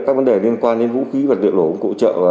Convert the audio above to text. các vấn đề liên quan đến vũ khí vật liệu nổ công cụ trợ